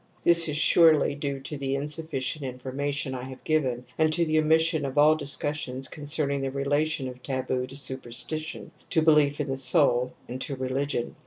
This is surely due to the insufficient in formation I have given and to the omission of all discussions concerning the relation of taboo to superstition, to belief in the soul, and to re ligion.